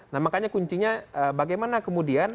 nah makanya kuncinya bagaimana kemudian